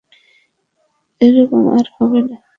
এরকম আর হবে না।